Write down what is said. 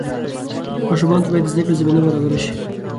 ماشومانو ته باید د زدهکړې زمینه برابره شي.